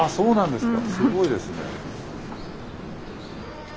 すごいですね。